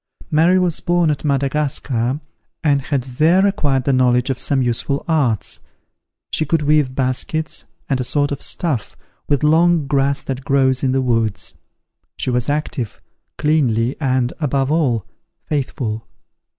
Mary was born at Madagascar, and had there acquired the knowledge of some useful arts. She could weave baskets, and a sort of stuff, with long grass that grows in the woods. She was active, cleanly, and, above all, faithful.